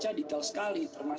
jadi rekomendasi kpk tidak perlu ada